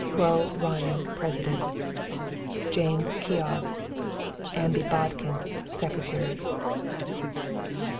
"CROW RYAN, President." "JAMES KEOG, "AMBY BODKIN, Secretaries."